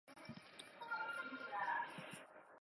这番通话也被监听弗拉加电话的纳西门托听到了。